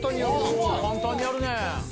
簡単にやるね！